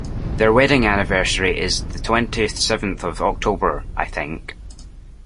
Their wedding anniversary is the twenty-seventh of October, I think